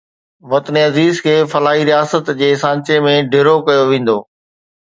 وطن عزيز کي فلاحي رياست جي سانچي ۾ ڍرو ڪيو ويندو